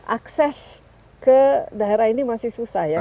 akses ke daerah ini masih susah ya